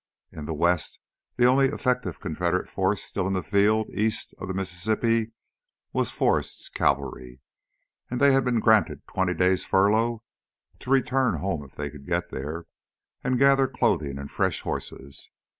In the west, the only effective Confederate force still in the field east of the Mississippi was Forrest's Cavalry. And they had been granted twenty days' furlough to return home if they could get there, and gather clothing and fresh horses.